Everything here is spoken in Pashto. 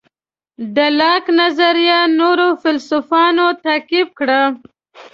د لاک نظریه نورو فیلیسوفانو تعقیب کړه.